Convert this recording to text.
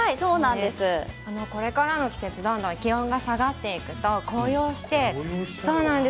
これからの季節どんどん気温が下がっていくと紅葉するんです。